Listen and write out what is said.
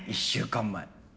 １週間前。